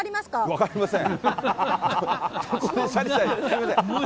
分かりません。